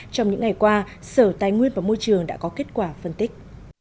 trong những ngày qua sở tài nguyên và môi trường đã có kết quả phân tích